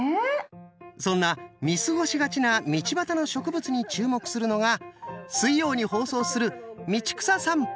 そんな見過ごしがちな道端の植物に注目するのが水曜に放送する「道草さんぽ・春」。